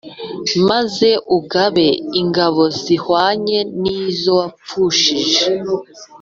maze ugabe ingabo zihwanye n’izo wapfushije